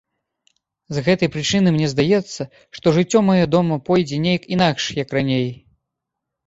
З гэтай прычыны мне здаецца, што жыццё маё дома пойдзе нейк інакш, як раней.